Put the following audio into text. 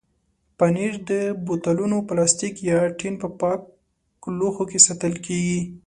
پنېر د بوتلونو، پلاستیک یا ټین په پاکو لوښو کې ساتل کېږي.